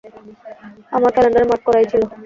আমার ক্যালেন্ডারে মার্ক করাই ছিলো।